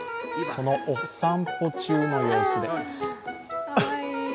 そのお散歩中の様子です。